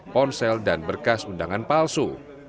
ponsel dan berkas undangan palsu